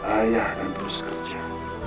ayah akan terus kerja